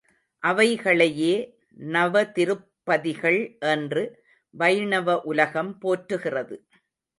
அவைகளையே நவதிருப்பதிகள் என்று வைணவ உலகம் போற்றுகிறது.